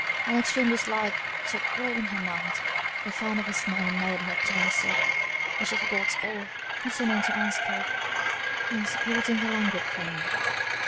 An extreme dislike took root in her mind; the found of his name made her turn sick; but she forgot all, listening to Ann's cough, and supporting her languid frame.